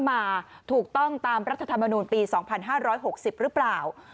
มาถูกต้องตามรัฐธรรมนูลปี๒๕๖๐หรือเปล่า